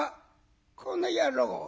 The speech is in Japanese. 「この野郎。